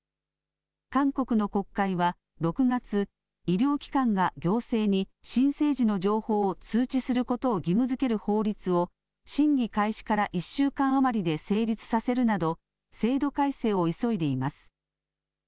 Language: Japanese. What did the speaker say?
韓国の国会は６月医療機関が行政に新生児の情報を通知することを義務づける法律を審議開始から１週間余りで成立させるなど制度改正を急いでいます。